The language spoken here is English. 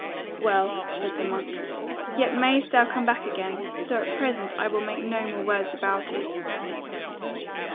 "Well," said the monk, "yet mayst thou come back again; so at present I will make no more words about it."